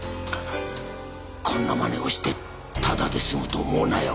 こんなまねをしてただで済むと思うなよ。